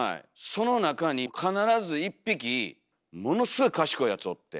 その中に必ず一匹ものすごい賢いやつおって。